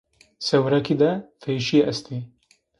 Sêwregi de vêşî est ê